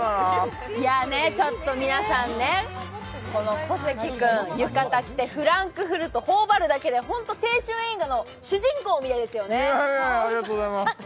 ちょっと皆さんね、この小関君、浴衣着て、フランクフルトを頬張るだけで青春映画のありがとうございます。